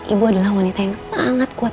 ibu adalah wanita yang sangat kuat